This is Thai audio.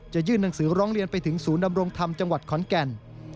ยื่นหนังสือร้องเรียนไปถึงศูนย์ดำรงธรรมจังหวัดขอนแก่น